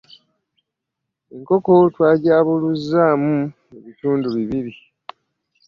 Enkoko twagyabuluzzaamu ebitundu bibiri.